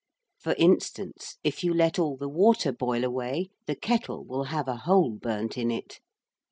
For instance, if you let all the water boil away, the kettle will have a hole burnt in it.